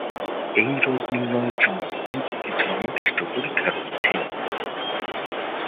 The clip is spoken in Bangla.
এই রোগ নির্ণয়ের জন্য অল্প কিছু নির্দিষ্ট পরীক্ষা রয়েছে।